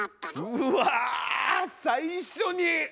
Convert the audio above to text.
うわあ最初に。